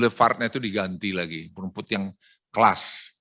boulevardnya itu diganti lagi rumput yang kelas